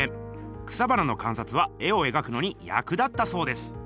草花のかんさつは絵を描くのにやく立ったそうです。